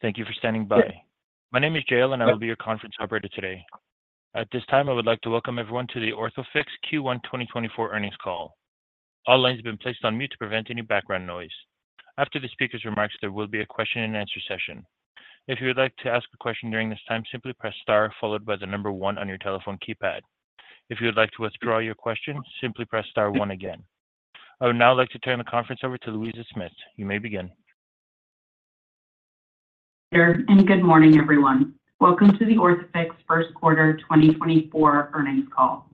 Thank you for standing by. My name is Jayle, and I will be your conference operator today. At this time, I would like to welcome everyone to the Orthofix Q1 2024 earnings call. All lines have been placed on mute to prevent any background noise. After the speaker's remarks, there will be a question and answer session. If you would like to ask a question during this time, simply press star followed by the number one on your telephone keypad. If you would like to withdraw your question, simply press star one again. I would now like to turn the conference over to Louisa Smith. You may begin. Good morning, everyone. Welcome to the Orthofix first quarter 2024 earnings call.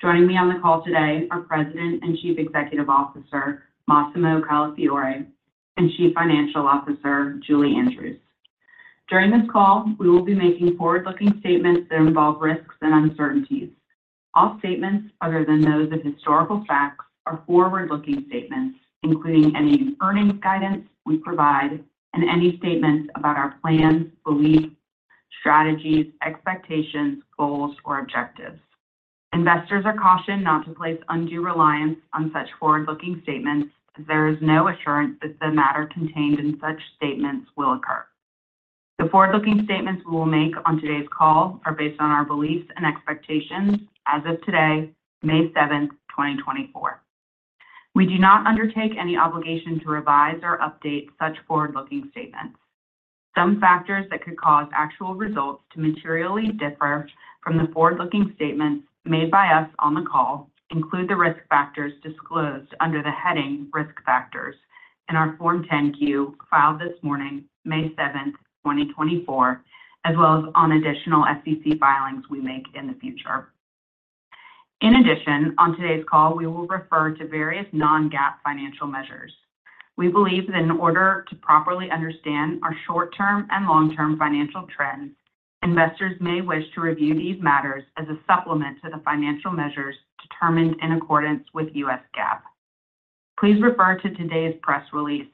Joining me on the call today are President and Chief Executive Officer, Massimo Calafiore, and Chief Financial Officer, Julie Andrews. During this call, we will be making forward-looking statements that involve risks and uncertainties. All statements other than those of historical facts are forward-looking statements, including any earnings guidance we provide and any statements about our plans, beliefs, strategies, expectations, goals, or objectives. Investors are cautioned not to place undue reliance on such forward-looking statements as there is no assurance that the matter contained in such statements will occur. The forward-looking statements we will make on today's call are based on our beliefs and expectations as of today, May 7, 2024. We do not undertake any obligation to revise or update such forward-looking statements. Some factors that could cause actual results to materially differ from the forward-looking statements made by us on the call include the risk factors disclosed under the heading Risk Factors in our Form 10-Q, filed this morning, May 7, 2024, as well as on additional SEC filings we make in the future. In addition, on today's call, we will refer to various non-GAAP financial measures. We believe that in order to properly understand our short-term and long-term financial trends, investors may wish to review these matters as a supplement to the financial measures determined in accordance with U.S. GAAP. Please refer to today's press release,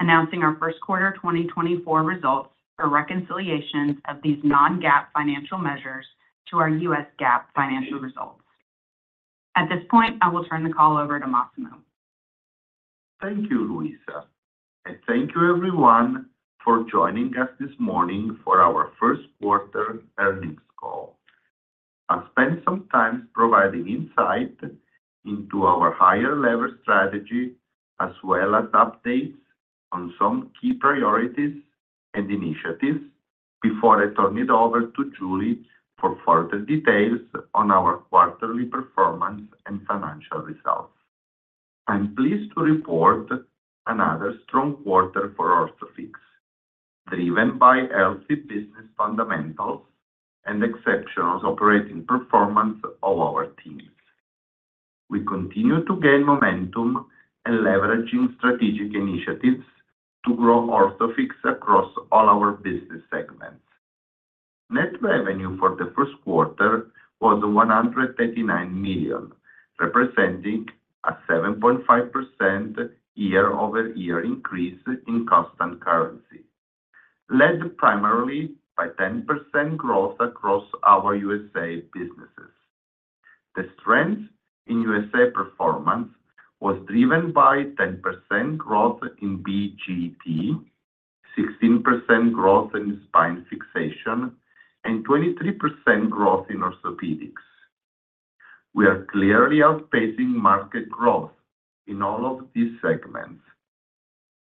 announcing our first quarter 2024 results, a reconciliation of these non-GAAP financial measures to our U.S. GAAP financial results. At this point, I will turn the call over to Massimo. Thank you, Louisa, and thank you everyone for joining us this morning for our first quarter earnings call. I'll spend some time providing insight into our higher-level strategy, as well as updates on some key priorities and initiatives before I turn it over to Julie for further details on our quarterly performance and financial results. I'm pleased to report another strong quarter for Orthofix, driven by healthy business fundamentals and exceptional operating performance of our teams. We continue to gain momentum and leveraging strategic initiatives to grow Orthofix across all our business segments. Net revenue for the first quarter was $139 million, representing a 7.5% year-over-year increase in constant currency, led primarily by 10% growth across our USA businesses. The strength in USA performance was driven by 10% growth in BGT, 16% growth in Spine Fixation, and 23% growth in Orthopedics. We are clearly outpacing market growth in all of these segments.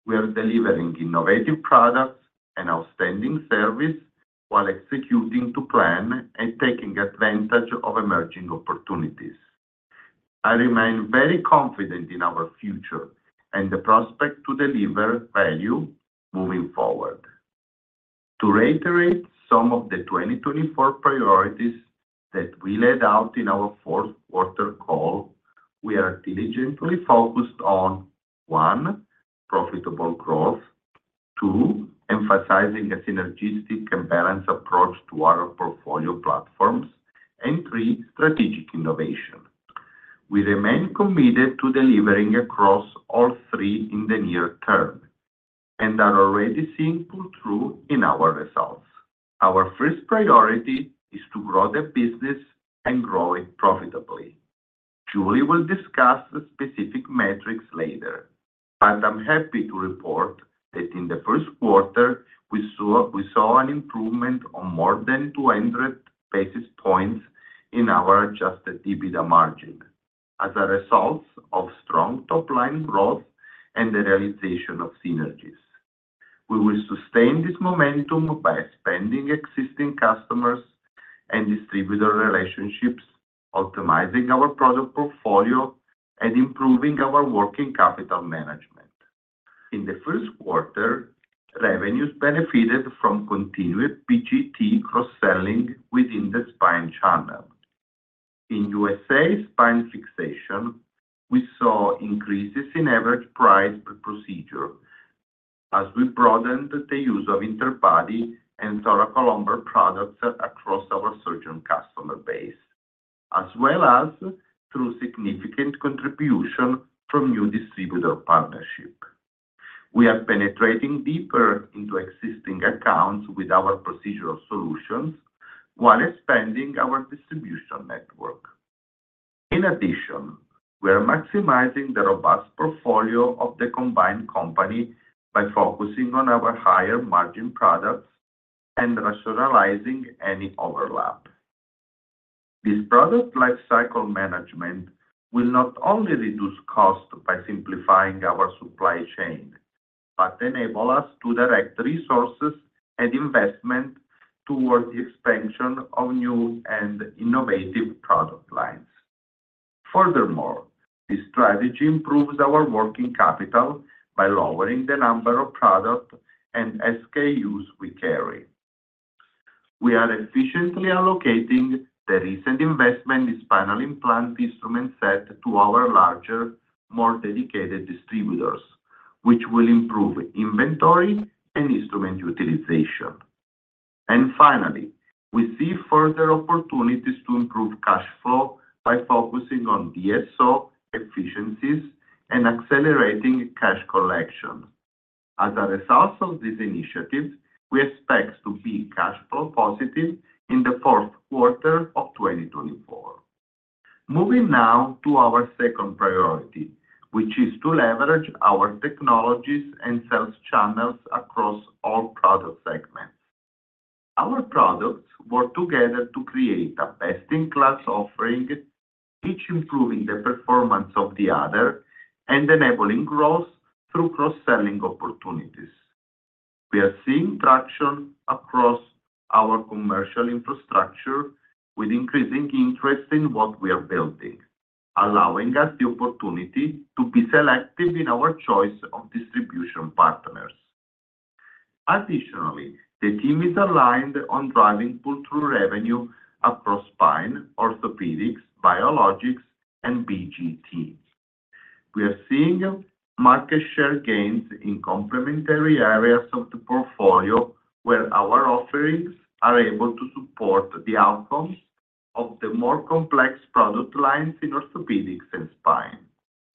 We are delivering innovative products and outstanding service while executing to plan and taking advantage of emerging opportunities. I remain very confident in our future and the prospect to deliver value moving forward. To reiterate some of the 2024 priorities that we laid out in our fourth quarter call, we are diligently focused on, one, profitable growth, two, emphasizing a synergistic and balanced approach to our portfolio platforms, and three, strategic innovation. We remain committed to delivering across all three in the near term and are already seeing pull-through in our results. Our first priority is to grow the business and grow it profitably. Julie will discuss the specific metrics later, but I'm happy to report that in the first quarter, we saw an improvement on more than 200 basis points in our adjusted EBITDA margin as a result of strong top-line growth and the realization of synergies. We will sustain this momentum by expanding existing customers and distributor relationships, optimizing our product portfolio, and improving our working capital management. In the first quarter, revenues benefited from continued BGT cross-selling within the spine channel. In USA spine fixation, we saw increases in average price per procedure as we broadened the use of interbody and thoracolumbar products across our surgeon customer base, as well as through significant contribution from new distributor partnership. We are penetrating deeper into existing accounts with our procedural solutions while expanding our distribution network. In addition, we are maximizing the robust portfolio of the combined company by focusing on our higher-margin products and rationalizing any overlap. This product lifecycle management will not only reduce cost by simplifying our supply chain, but enable us to direct resources and investment towards the expansion of new and innovative product lines. Furthermore, this strategy improves our working capital by lowering the number of products and SKUs we carry. We are efficiently allocating the recent investment in spinal implant instrument set to our larger, more dedicated distributors, which will improve inventory and instrument utilization. And finally, we see further opportunities to improve cash flow by focusing on DSO efficiencies and accelerating cash collection. As a result of these initiatives, we expect to be cash flow positive in the fourth quarter of 2024. Moving now to our second priority, which is to leverage our technologies and sales channels across all product segments. Our products work together to create a best-in-class offering, each improving the performance of the other and enabling growth through cross-selling opportunities. We are seeing traction across our commercial infrastructure, with increasing interest in what we are building, allowing us the opportunity to be selective in our choice of distribution partners. Additionally, the team is aligned on driving pull-through revenue across spine, orthopedics, biologics, and BGT. We are seeing market share gains in complementary areas of the portfolio, where our offerings are able to support the outcomes of the more complex product lines in orthopedics and spine.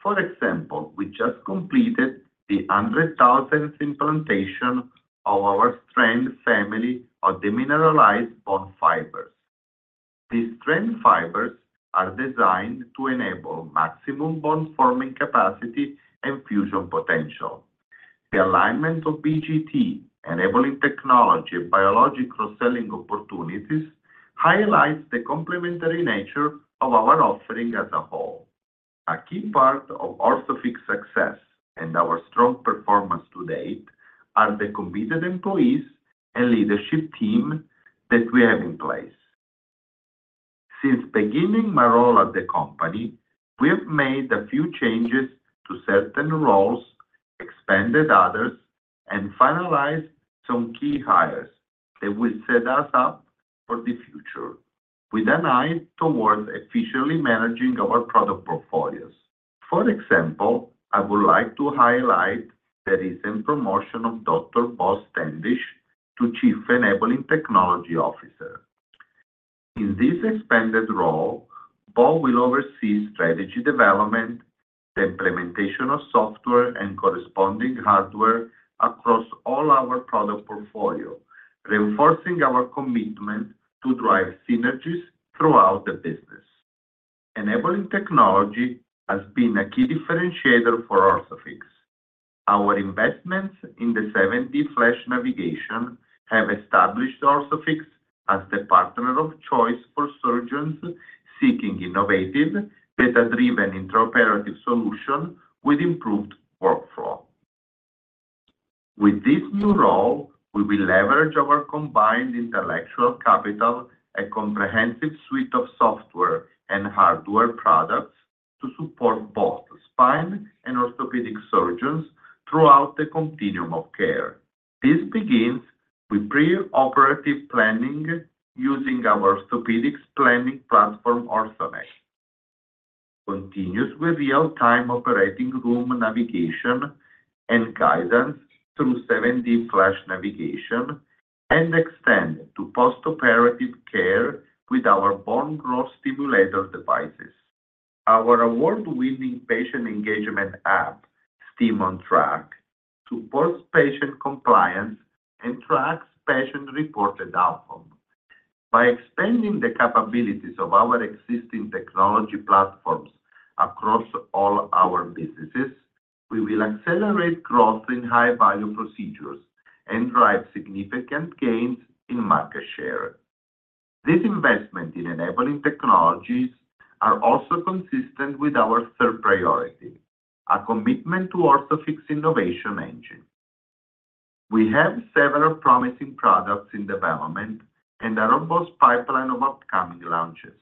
For example, we just completed the 100,000th implantation of our OsteoStrand family of demineralized bone fibers. These OsteoStrand fibers are designed to enable maximum bone-forming capacity and fusion potential. The alignment of BGT-enabling technology and biological selling opportunities highlights the complementary nature of our offering as a whole. A key part of Orthofix's success and our strong performance to date are the committed employees and leadership team that we have in place. Since beginning my role at the company, we've made a few changes to certain roles, expanded others, and finalized some key hires that will set us up for the future, with an eye towards efficiently managing our product portfolios. For example, I would like to highlight the recent promotion of Dr. Paul Standish to Chief Enabling Technology Officer. In this expanded role, Paul will oversee strategy development, the implementation of software, and corresponding hardware across all our product portfolio, reinforcing our commitment to drive synergies throughout the business. Enabling technology has been a key differentiator for Orthofix. Our investments in the 7D FLASH Navigation have established Orthofix as the partner of choice for surgeons seeking innovative, data-driven, intraoperative solution with improved workflow. With this new role, we will leverage our combined intellectual capital and comprehensive suite of software and hardware products to support both spine and orthopedic surgeons throughout the continuum of care. This begins with preoperative planning using our orthopedics planning platform, OrthoMatch. Continues with real-time operating room navigation and guidance through 7D FLASH Navigation, and extend to postoperative care with our bone growth stimulator devices. Our award-winning patient engagement app, STIM onTrack, supports patient compliance and tracks patient-reported outcome. By expanding the capabilities of our existing technology platforms across all our businesses, we will accelerate growth in high-value procedures and drive significant gains in market share. This investment in enabling technologies are also consistent with our third priority, a commitment to Orthofix innovation engine. We have several promising products in development and a robust pipeline of upcoming launches.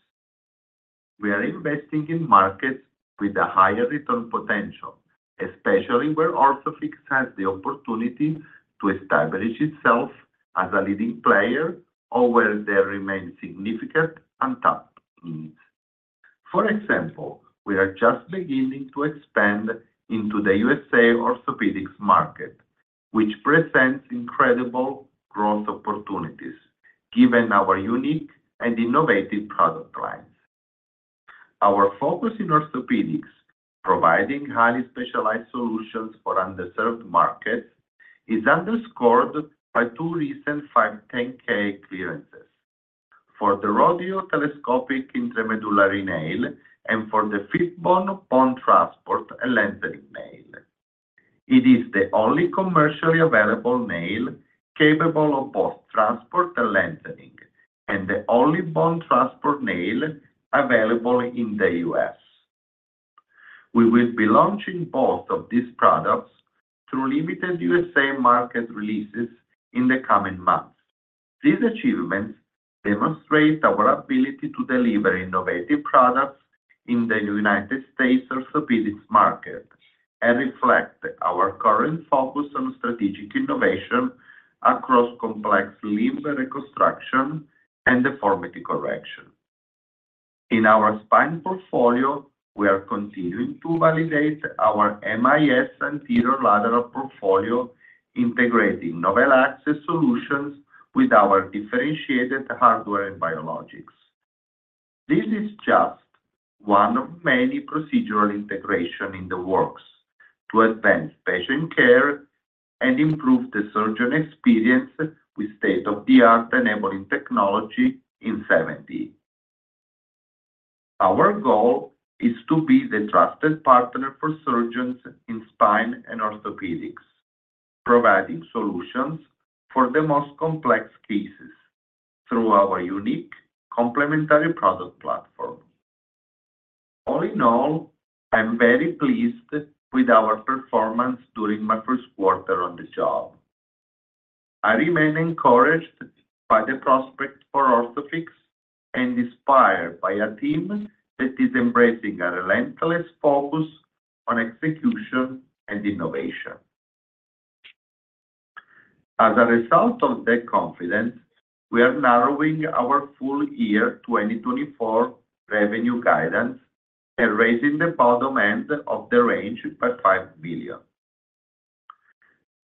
We are investing in markets with a higher return potential, especially where Orthofix has the opportunity to establish itself as a leading player or where there remains significant untapped needs. For example, we are just beginning to expand into the USA orthopedics market, which presents incredible growth opportunities, given our unique and innovative product lines. Our focus in orthopedics providing highly specialized solutions for underserved markets is underscored by two recent 510(k) clearances. For the Rodeo Telescopic Intramedullary Nail and for the FITBONE bone transport and lengthening nail. It is the only commercially available nail capable of both transport and lengthening, and the only bone transport nail available in the U.S. We will be launching both of these products through limited USA market releases in the coming months. These achievements demonstrate our ability to deliver innovative products in the United States orthopedics market, and reflect our current focus on strategic innovation across complex limb reconstruction and deformity correction. In our spine portfolio, we are continuing to validate our MIS anterior lateral portfolio, integrating novel access solutions with our differentiated hardware and biologics. This is just one of many procedural integration in the works to advance patient care and improve the surgeon experience with state-of-the-art enabling technology in 7D. Our goal is to be the trusted partner for surgeons in spine and orthopedics, providing solutions for the most complex cases through our unique complementary product platform. All in all, I'm very pleased with our performance during my first quarter on the job. I remain encouraged by the prospect for Orthofix and inspired by a team that is embracing a relentless focus on execution and innovation. As a result of that confidence, we are narrowing our full year 2024 revenue guidance and raising the bottom end of the range by $5 billion.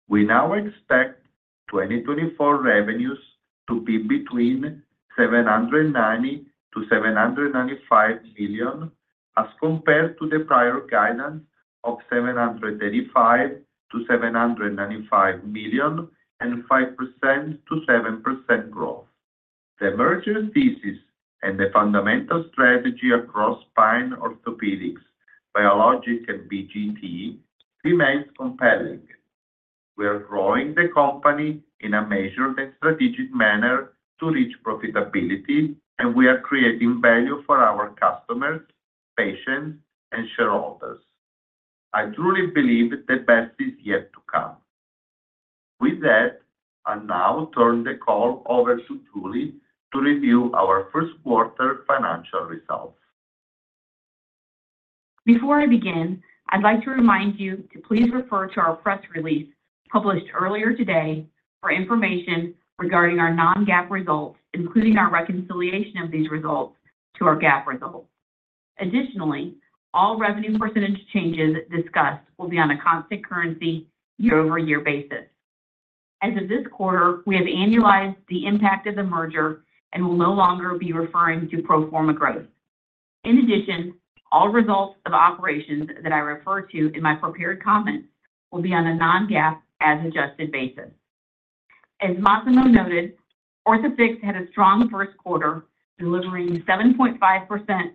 We now expect 2024 revenues to be between $790 million-$795 million, as compared to the prior guidance of $735 million-$795 million and 5%-7% growth. The merger thesis and the fundamental strategy across spine orthopedics, biologics and BGT remains compelling. We are growing the company in a measured and strategic manner to reach profitability, and we are creating value for our customers, patients, and shareholders. I truly believe the best is yet to come. With that, I now turn the call over to Julie to review our first quarter financial results. Before I begin, I'd like to remind you to please refer to our press release published earlier today for information regarding our non-GAAP results, including our reconciliation of these results to our GAAP results. Additionally, all revenue percentage changes discussed will be on a constant currency year-over-year basis. As of this quarter, we have annualized the impact of the merger and will no longer be referring to pro forma growth. In addition, all results of operations that I refer to in my prepared comments will be on a non-GAAP as adjusted basis. As Massimo noted, Orthofix had a strong first quarter, delivering 7.5%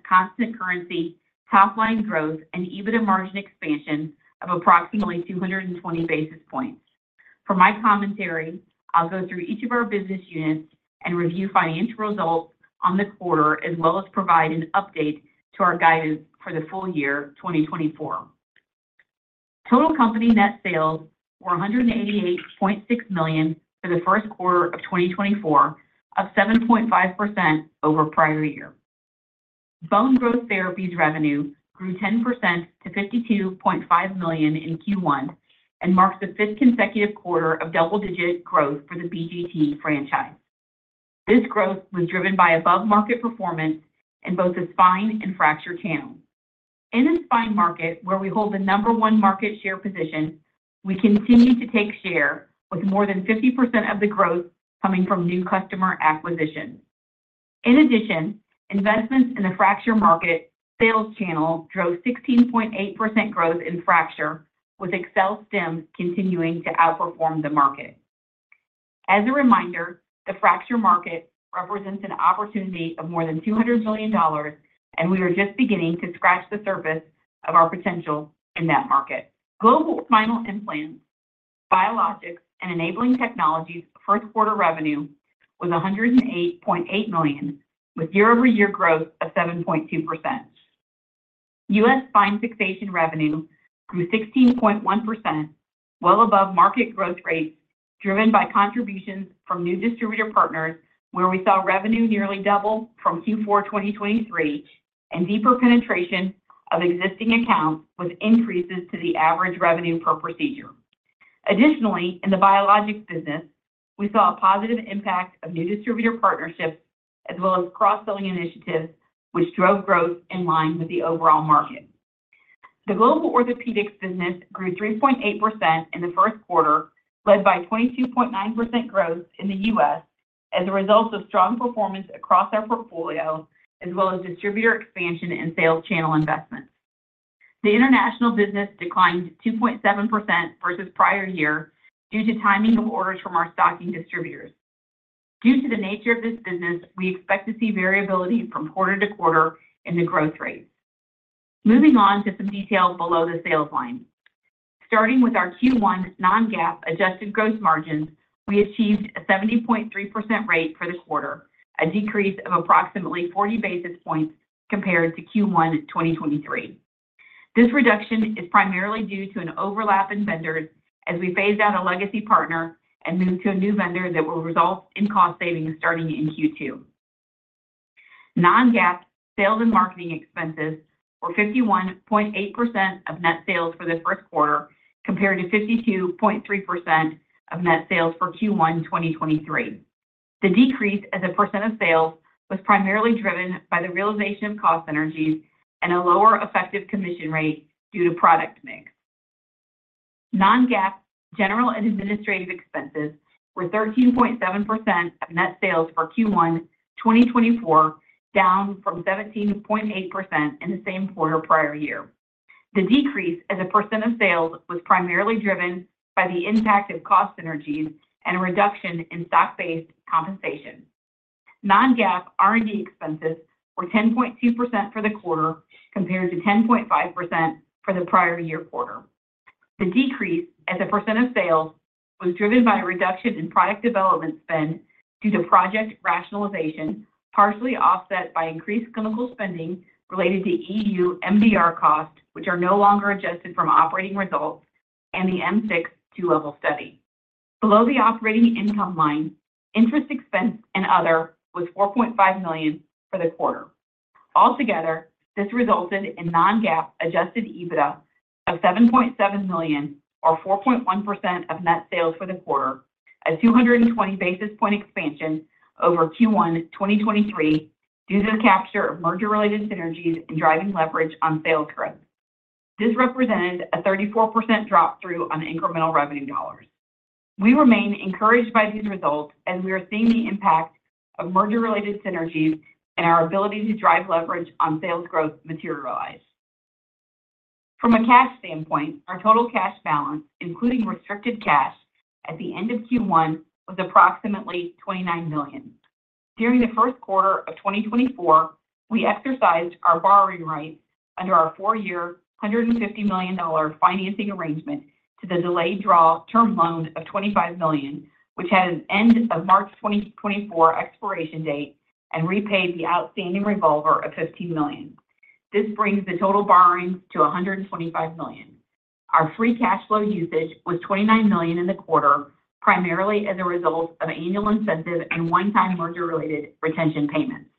constant currency, top line growth, and EBITDA margin expansion of approximately 220 basis points. For my commentary, I'll go through each of our business units and review financial results on the quarter, as well as provide an update to our guidance for the full year 2024. Total company net sales were $188.6 million for the first quarter of 2024, up 7.5% over prior year. Bone Growth Therapies revenue grew 10% to $52.5 million in Q1, and marks the fifth consecutive quarter of double-digit growth for the BGT franchise. This growth was driven by above-market performance in both the spine and fracture channels. In the spine market, where we hold the number one market share position, we continue to take share with more than 50% of the growth coming from new customer acquisitions. In addition, investments in the fracture market sales channel drove 16.8% growth in fracture, with AccelStim continuing to outperform the market. As a reminder, the fracture market represents an opportunity of more than $200 million, and we are just beginning to scratch the surface of our potential in that market. Global spinal implants, biologics, and enabling technologies first quarter revenue was $108.8 million, with year-over-year growth of 7.2%. U.S. spine fixation revenue grew 16.1%, well above market growth rates, driven by contributions from new distributor partners, where we saw revenue nearly double from Q4 2023, and deeper penetration of existing accounts with increases to the average revenue per procedure. Additionally, in the Biologics business, we saw a positive impact of new distributor partnerships, as well as cross-selling initiatives, which drove growth in line with the overall market. The global Orthopedics business grew 3.8% in the first quarter, led by 22.9% growth in the U.S., as a result of strong performance across our portfolio, as well as distributor expansion and sales channel investments. The international business declined 2.7% versus prior year due to timing of orders from our stocking distributors. Due to the nature of this business, we expect to see variability from quarter to quarter in the growth rate. Moving on to some details below the sales line. Starting with our Q1 Non-GAAP adjusted gross margins, we achieved a 70.3% rate for the quarter, a decrease of approximately 40 basis points compared to Q1 in 2023. This reduction is primarily due to an overlap in vendors as we phased out a legacy partner and moved to a new vendor that will result in cost savings starting in Q2. Non-GAAP sales and marketing expenses were 51.8% of net sales for the first quarter, compared to 52.3% of net sales for Q1 2023. The decrease as a percent of sales was primarily driven by the realization of cost synergies and a lower effective commission rate due to product mix. Non-GAAP general and administrative expenses were 13.7% of net sales for Q1 2024, down from 17.8% in the same quarter prior year. The decrease as a percent of sales was primarily driven by the impact of cost synergies and a reduction in stock-based compensation. Non-GAAP R&D expenses were 10.2% for the quarter, compared to 10.5% for the prior-year quarter. The decrease as a percent of sales was driven by a reduction in product development spend due to project rationalization, partially offset by increased clinical spending related to EU MDR costs, which are no longer adjusted from operating results and the M6 two-level study. Below the operating income line, interest expense and other was $4.5 million for the quarter. Altogether, this resulted in non-GAAP adjusted EBITDA of $7.7 million, or 4.1% of net sales for the quarter, a 220 basis point expansion over Q1 2023 due to the capture of merger-related synergies and driving leverage on sales growth. This represented a 34% drop-through on incremental revenue dollars. We remain encouraged by these results as we are seeing the impact of merger-related synergies and our ability to drive leverage on sales growth materialize. From a cash standpoint, our total cash balance, including restricted cash at the end of Q1, was approximately $29 million. During the first quarter of 2024, we exercised our borrowing rights under our four-year, $150 million financing arrangement to the delayed-draw term loan of $25 million, which had an end-of-March 2024 expiration date and repaid the outstanding revolver of $15 million. This brings the total borrowing to $125 million. Our free cash flow usage was $29 million in the quarter, primarily as a result of annual incentive and one-time merger-related retention payments.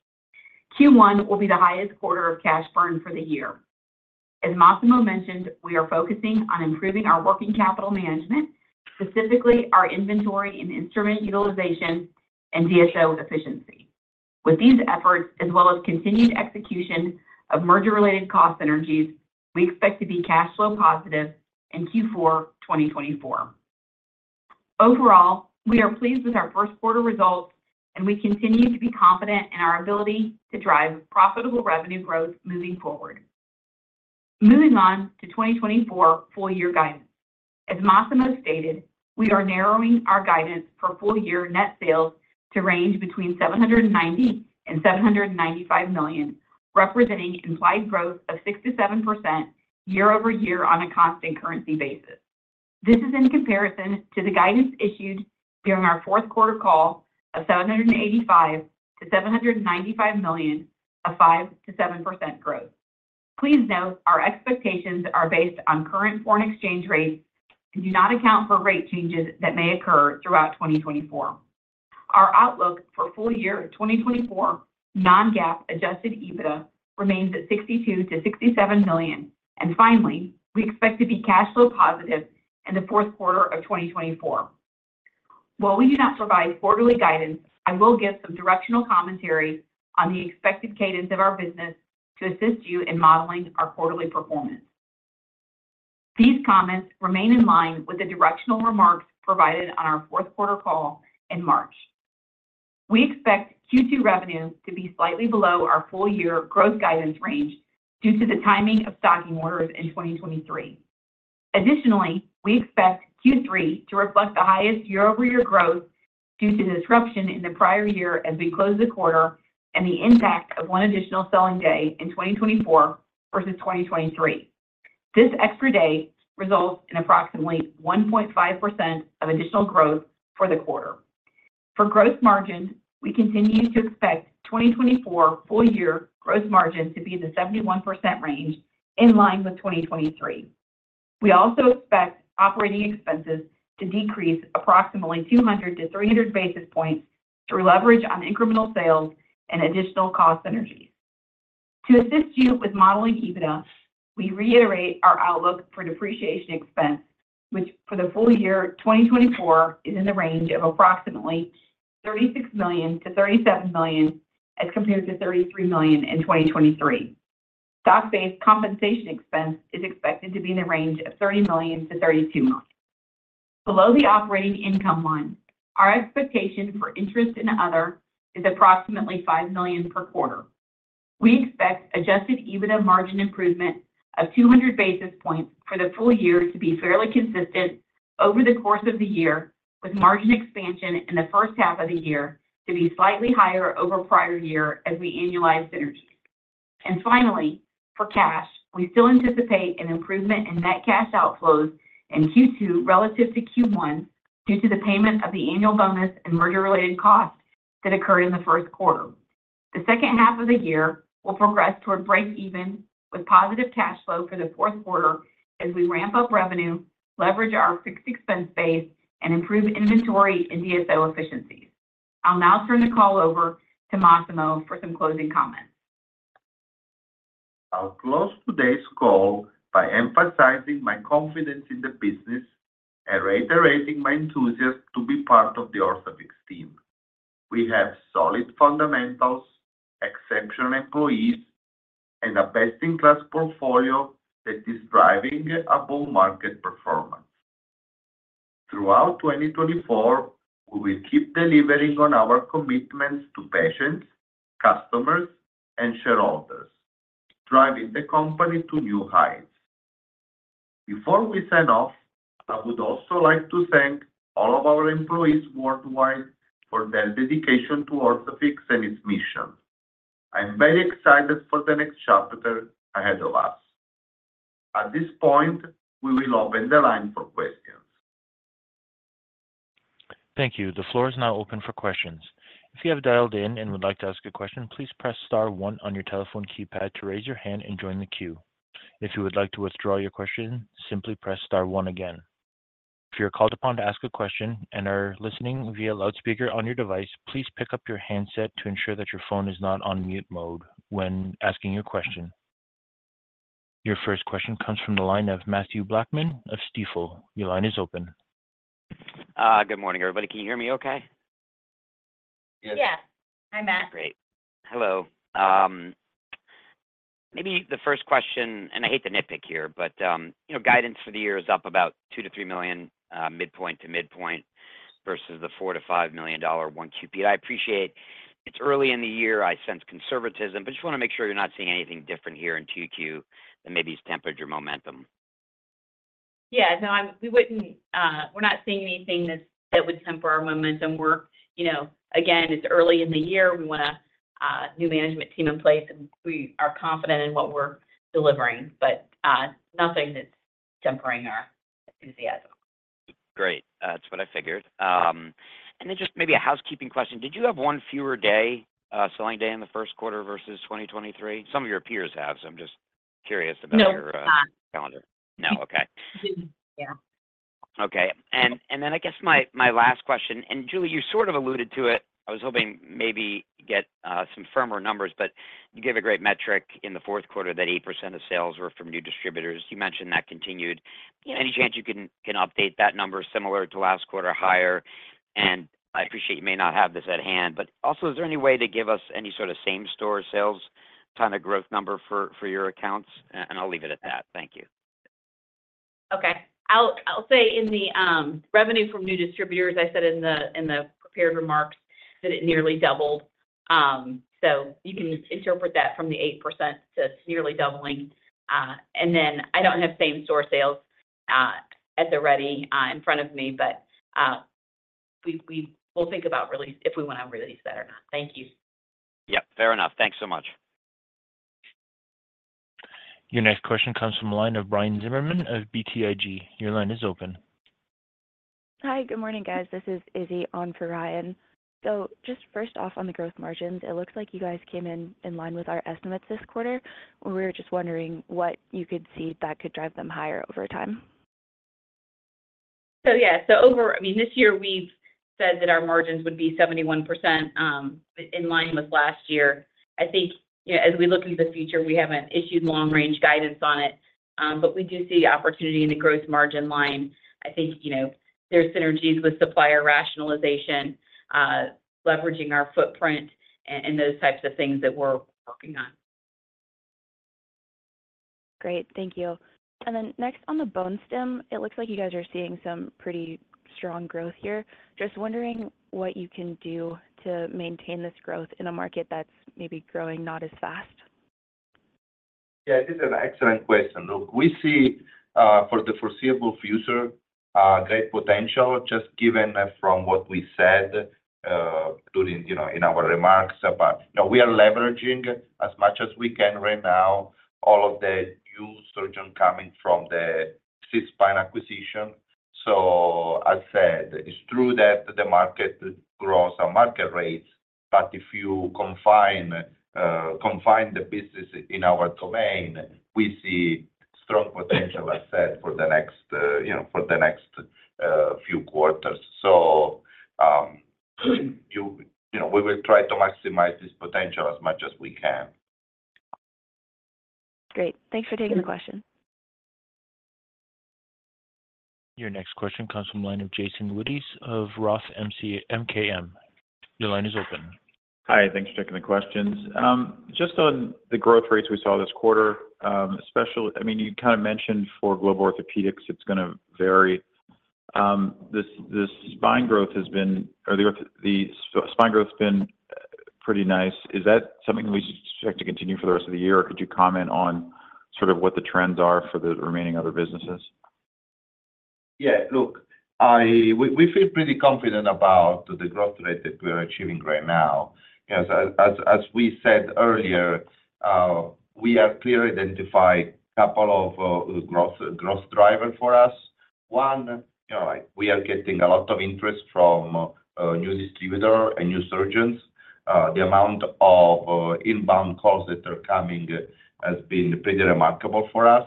Q1 will be the highest quarter of cash burn for the year. As Massimo mentioned, we are focusing on improving our working capital management, specifically our inventory and instrument utilization and DSO efficiency. With these efforts, as well as continued execution of merger-related cost synergies, we expect to be cash flow positive in Q4 2024. Overall, we are pleased with our first quarter results, and we continue to be confident in our ability to drive profitable revenue growth moving forward. Moving on to 2024 full year guidance. As Massimo stated, we are narrowing our guidance for full year net sales to range between $790 million and $795 million, representing implied growth of 6%-7% year-over-year on a constant currency basis. This is in comparison to the guidance issued during our fourth quarter call of $785 million-$795 million, a 5%-7% growth. Please note, our expectations are based on current foreign exchange rates and do not account for rate changes that may occur throughout 2024. Our outlook for full-year 2024 non-GAAP adjusted EBITDA remains at $62 million-$67 million. Finally, we expect to be cash flow positive in the fourth quarter of 2024. While we do not provide quarterly guidance, I will give some directional commentary on the expected cadence of our business to assist you in modeling our quarterly performance. These comments remain in line with the directional remarks provided on our fourth quarter call in March. We expect Q2 revenues to be slightly below our full-year growth guidance range due to the timing of stocking orders in 2023. Additionally, we expect Q3 to reflect the highest year-over-year growth due to the disruption in the prior year as we close the quarter and the impact of one additional selling day in 2024 versus 2023. This extra day results in approximately 1.5% of additional growth for the quarter. For gross margins, we continue to expect 2024 full-year gross margins to be in the 71% range in line with 2023. We also expect operating expenses to decrease approximately 200-300 basis points through leverage on incremental sales and additional cost synergies. To assist you with modeling EBITDA, we reiterate our outlook for depreciation expense, which for the full year 2024 is in the range of approximately $36 million-$37 million, as compared to $33 million in 2023. Stock-based compensation expense is expected to be in the range of $30 million-$32 million. Below the operating income line, our expectation for interest and other is approximately $5 million per quarter. We expect adjusted EBITDA margin improvement of 200 basis points for the full year to be fairly consistent over the course of the year, with margin expansion in the first half of the year to be slightly higher over prior year as we annualize synergies. Finally, for cash, we still anticipate an improvement in net cash outflows in Q2 relative to Q1 due to the payment of the annual bonus and merger-related costs that occurred in the first quarter. The second half of the year will progress toward break-even, with positive cash flow for the fourth quarter as we ramp up revenue, leverage our fixed expense base, and improve inventory and DSO efficiencies. I'll now turn the call over to Massimo for some closing comments. I'll close today's call by emphasizing my confidence in the business and reiterating my enthusiasm to be part of the Orthofix team. We have solid fundamentals, exceptional employees, and a best-in-class portfolio that is driving above-market performance. Throughout 2024, we will keep delivering on our commitments to patients, customers, and shareholders, driving the company to new heights. Before we sign off, I would also like to thank all of our employees worldwide for their dedication to Orthofix and its mission. I'm very excited for the next chapter ahead of us. At this point, we will open the line for questions. Thank you. The floor is now open for questions. If you have dialed in and would like to ask a question, please press star one on your telephone keypad to raise your hand and join the queue. If you would like to withdraw your question, simply press star one again. If you're called upon to ask a question and are listening via loudspeaker on your device, please pick up your handset to ensure that your phone is not on mute mode when asking your question. Your first question comes from the line of Mathew Blackman of Stifel. Your line is open. Good morning, everybody. Can you hear me okay? Yeah. Hi, Mat. Great. Hello. Maybe the first question, and I hate to nitpick here, but, you know, guidance for the year is up about $2-$3 million, midpoint to midpoint versus the $4-$5 million 1Q. I appreciate it's early in the year, I sense conservatism, but just wanna make sure you're not seeing anything different here in 2Q that maybe has tempered your momentum. Yeah. No, we wouldn't. We're not seeing anything that would temper our momentum. We're, you know, again, it's early in the year. We want to new management team in place, and we are confident in what we're delivering, but nothing that's tempering our enthusiasm. Great. That's what I figured. And then just maybe a housekeeping question: Did you have one fewer day, selling day in the first quarter versus 2023? Some of your peers have, so I'm just curious about- No, we did not.... your calendar. No? Okay. We, yeah. Okay. And then I guess my last question, and Julie, you sort of alluded to it. I was hoping maybe get some firmer numbers, but you gave a great metric in the fourth quarter that 8% of sales were from new distributors. You mentioned that continued. Yes. Any chance you can update that number similar to last quarter higher? And I appreciate you may not have this at hand, but also, is there any way to give us any sort of same-store sales kind of growth number for your accounts? And I'll leave it at that. Thank you. Okay. I'll say in the revenue from new distributors, I said in the prepared remarks that it nearly doubled. So you can interpret that from the 8% to nearly doubling. And then I don't have same-store sales at the ready in front of me, but we will think about release if we want to release that or not. Thank you. Yep, fair enough. Thanks so much. Your next question comes from the line of Ryan Zimmerman of BTIG. Your line is open. Hi, good morning, guys. This is Izzy on for Ryan. So just first off, on the gross margins, it looks like you guys came in in line with our estimates this quarter. We were just wondering what you could see that could drive them higher over time. I mean, this year we've said that our margins would be 71%, in line with last year. I think, you know, as we look into the future, we haven't issued long-range guidance on it, but we do see opportunity in the growth margin line. I think, you know, there's synergies with supplier rationalization, leveraging our footprint and, and those types of things that we're working on. Great. Thank you. And then next, on the bone stim, it looks like you guys are seeing some pretty strong growth here. Just wondering what you can do to maintain this growth in a market that's maybe growing not as fast. Yeah, this is an excellent question. Look, we see, for the foreseeable future, great potential, just given from what we said, during, you know, in our remarks about... You know, we are leveraging, as much as we can right now, all of the new surgeon coming from the SeaSpine acquisition. So as I said, it's true that the market grows on market rates, but if you confine, confine the business in our domain, we see strong potential, as I said, for the next, you know, for the next, few quarters. So, you know, we will try to maximize this potential as much as we can. Great. Thanks for taking the question.... Your next question comes from the line of Jason Wittes of Roth MKM. Your line is open. Hi, thanks for taking the questions. Just on the growth rates we saw this quarter, especially, I mean, you kind of mentioned for global orthopedics, it's gonna vary. The spine growth has been, or the spine growth's been pretty nice. Is that something we should expect to continue for the rest of the year? Or could you comment on sort of what the trends are for the remaining other businesses? Yeah, look, we feel pretty confident about the growth rate that we are achieving right now. As we said earlier, we have clearly identified a couple of growth driver for us. One, you know, like, we are getting a lot of interest from new distributor and new surgeons. The amount of inbound calls that are coming has been pretty remarkable for us.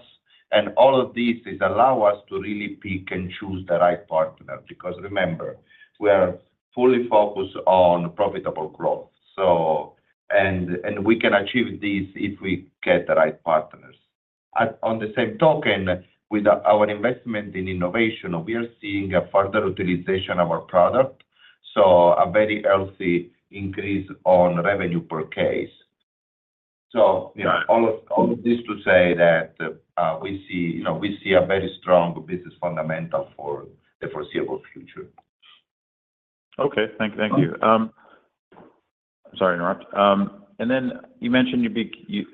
And all of this is allow us to really pick and choose the right partner, because remember, we are fully focused on profitable growth. So, and we can achieve this if we get the right partners. On the same token, with our investment in innovation, we are seeing a further utilization of our product, so a very healthy increase on revenue per case. You know, all of this to say that we see, you know, we see a very strong business fundamental for the foreseeable future. Okay, thank you. Sorry to interrupt. And then you mentioned you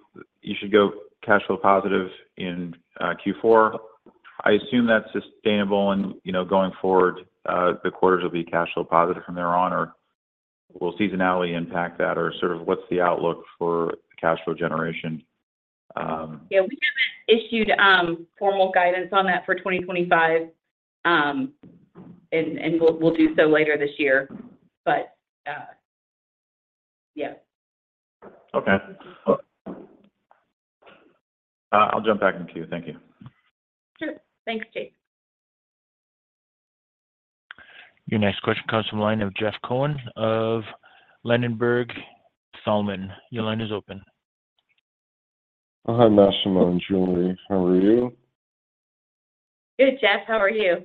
should go cash flow positive in Q4. I assume that's sustainable and, you know, going forward, the quarters will be cash flow positive from there on, or will seasonality impact that? Or sort of what's the outlook for cash flow generation? Yeah, we issued formal guidance on that for 2025, and we'll do so later this year. But yeah. Okay. I'll jump back in queue. Thank you. Sure. Thanks, Jason. Your next question comes from the line of Jeff Cohen of Ladenburg Thalmann. Your line is open. Hi, Massimo and Julie. How are you? Good, Jeff. How are you?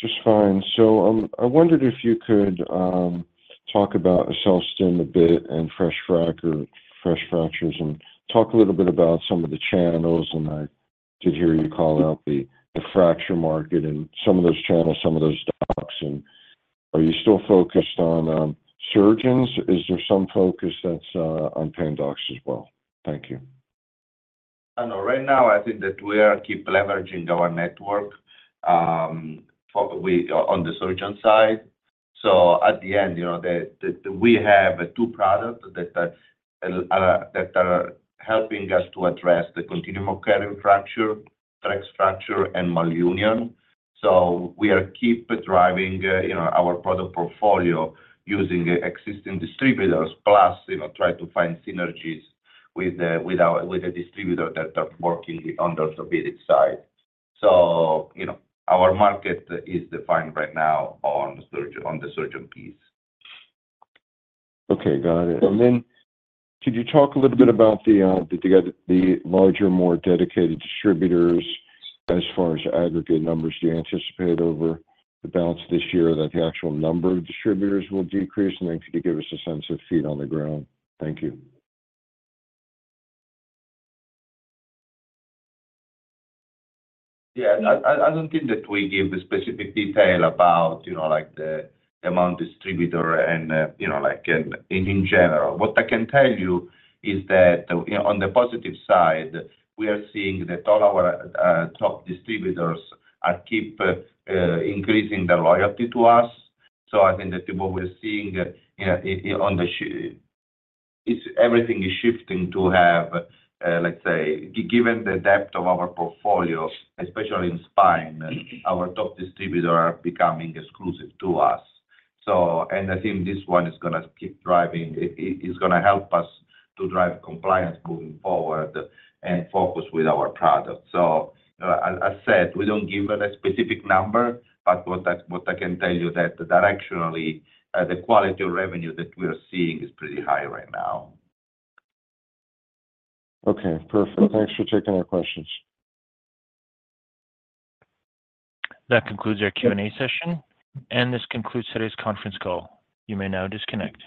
Just fine. So, I wondered if you could talk about AccelStim a bit and fresh fracture, fresh fractures, and talk a little bit about some of the channels. And I did hear you call out the fracture market and some of those channels, some of those docs. And are you still focused on surgeons? Is there some focus that's on pain docs as well? Thank you. I know. Right now, I think that we are keep leveraging our network, on the surgeon side. So at the end, you know, we have two products that are helping us to address the continuum of care in fracture, fresh fracture, and malunion. So we are keep driving, you know, our product portfolio using existing distributors, plus, you know, try to find synergies with the distributors that are working on the orthopedic side. So, you know, our market is defined right now on surgeon, on the surgeon piece. Okay, got it. And then could you talk a little bit about the larger, more dedicated distributors as far as aggregate numbers you anticipate over the balance of this year, that the actual number of distributors will decrease? And then could you give us a sense of feet on the ground? Thank you. Yeah, I don't think that we give the specific detail about, you know, like, the amount distributor and, you know, like, in general. What I can tell you is that, you know, on the positive side, we are seeing that all our top distributors are keep increasing their loyalty to us. So I think that what we're seeing, everything is shifting to have, let's say, given the depth of our portfolio, especially in spine, our top distributor are becoming exclusive to us. So, and I think this one is gonna keep driving, it is gonna help us to drive compliance moving forward and focus with our products. As I said, we don't give a specific number, but what I can tell you that directionally, the quality of revenue that we're seeing is pretty high right now. Okay, perfect. Thanks for taking our questions. That concludes our Q&A session, and this concludes today's conference call. You may now disconnect.